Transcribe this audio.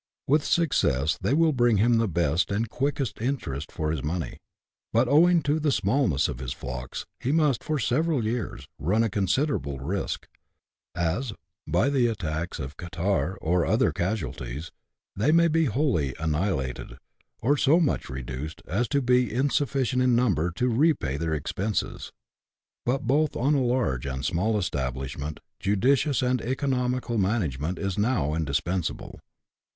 With success they will bring him the best and quickest interest for his money ; but, owing to the smallness of his flocks, he must for several years run a considerable risk ; as, by the attacks of catarrh or other casualties, they may be wholly annihilated, or so much reduced as to be insufficient in number to repay their expenses. But both on a large and small establishment judicious and economical management is now indispensable.